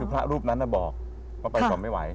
พระรูปนั้นบอกว่าไปต่อไม่ไหว